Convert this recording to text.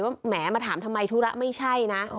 แหมมาถามทำไมธุระไม่ใช่นะ